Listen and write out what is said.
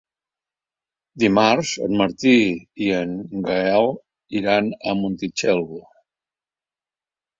Dimarts en Martí i en Gaël iran a Montitxelvo.